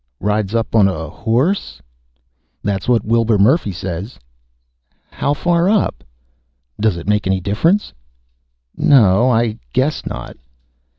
"Rides up on a horse?" "That's what Wilbur Murphy says." "How far up?" "Does it make any difference?" "No I guess not."